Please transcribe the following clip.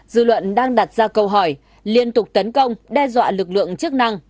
dư luận đang đặt ra câu hỏi liên tục tấn công đe dọa lực lượng chức năng